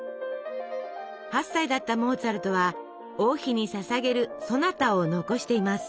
８歳だったモーツァルトは王妃にささげるソナタを残しています。